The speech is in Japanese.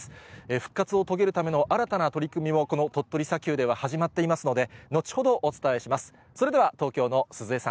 復活を遂げるための新たな取り組みも、この鳥取砂丘では始まっていますので、後ほどお伝えします。